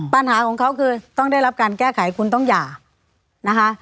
ปัญหาของเขาคือต้องได้รับการแก้ไขคุณต้องหย่านะคะ